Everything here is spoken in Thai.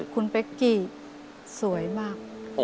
คุณเป๊กกี้สวยมาก